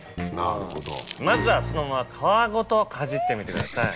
まずはそのまま皮ごとかじってみてください。